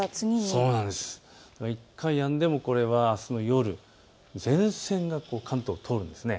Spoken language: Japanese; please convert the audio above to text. １回やんでもこれはあすの夜、前線が関東を通るんです。